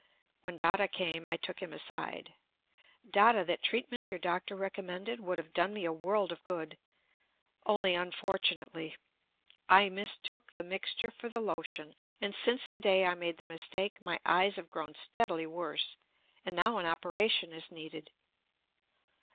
When Dada came, I took him aside: "Dada, that treatment your doctor recommended would have done me a world of good; only unfortunately. I mistook the mixture for the lotion. And since the day I made the mistake, my eyes have grown steadily worse; and now an operation is needed."